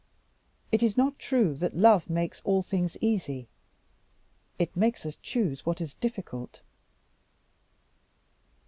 It is not true that love makes all things easy: it makes us choose what is difficult.